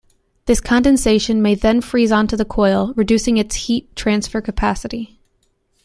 This condensation may then freeze onto the coil, reducing its heat transfer capacity.